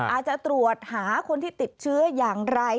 อาจจะตรวจหาคนที่ติดเชื้ออย่างไร